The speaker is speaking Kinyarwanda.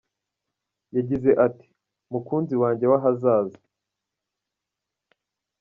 Yagize ati “ Mukunzi wanjye w’ahazaza ….